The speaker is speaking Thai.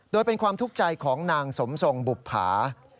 โดยเป็นความทุกข์ใจของนางสมทรงบุภา